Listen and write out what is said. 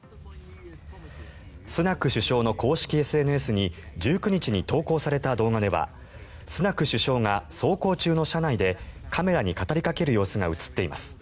スナク首相の公式ＳＮＳに１９日に投稿された動画ではスナク首相が走行中の車内でカメラに語りかける様子が映っています。